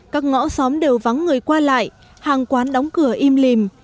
các ngõ xóm đều vắng người qua lại hàng quán đóng cửa im lìm